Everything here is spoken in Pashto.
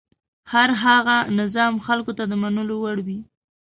هر هغه نظام خلکو ته د منلو وړ وي.